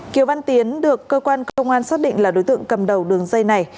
kiều văn tiến được cơ quan công an xác định là đối tượng cầm đầu đường dây này